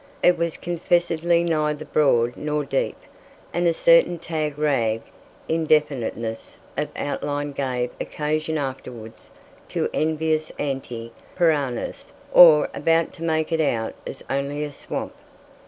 It was confessedly neither broad nor deep, and a certain tag rag indefiniteness of outline gave occasion afterwards to envious anti Prahraners all about to make it out as only a swamp.